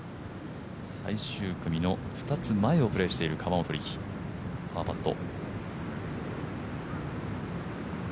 最終組の２つ前をプレーしている河本力、パーパット。